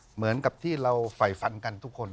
เหมือนกับที่เราไฝฟันกันทุกคน